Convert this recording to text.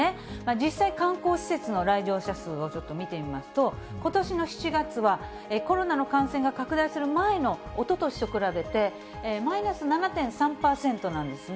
実際、観光施設の来場者数をちょっと見てみますと、ことしの７月は、コロナの感染が拡大する前のおととしと比べて、マイナス７．３％なんですね。